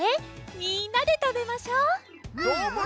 みんなでたべましょう！